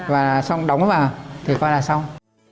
và xong đóng vào thì coi là xong